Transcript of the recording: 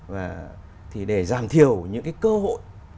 và thì để giảm thiểu những cái cơ hội